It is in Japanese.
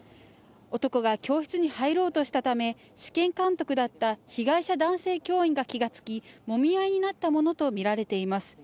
男が教室に入ろうとしたため、試験監督だった被害者男性教員が気がつき、もみ合いになったものとみられています。